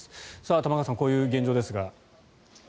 玉川さん、こういう現状ですが。